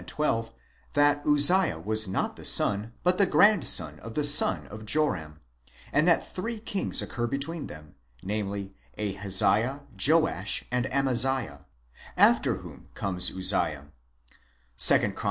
11, 12, that Uzziah was not the son, but the grandson of the son of Joram, and that three kings occur between them, namely, Ahaziah, Joash, and Amaziah, after whom comes Uzziah (2 Chron.